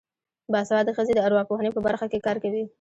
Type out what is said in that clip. باسواده ښځې د ارواپوهنې په برخه کې کار کوي.